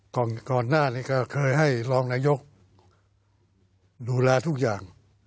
ก่อนหน้านี้ก็เคยให้รองนายกดูแลทุกอย่าง